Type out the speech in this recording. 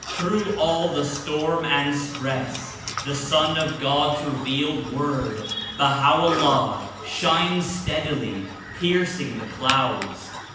'* Through all the storm and stress the Sun of God's Revealed Word, Baha'o'llaii, shines steadily, pierc ing the clouds.